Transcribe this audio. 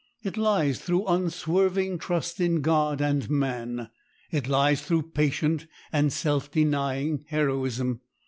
It lies through unswerving trust in God and man. It lies through patient and self denying heroism.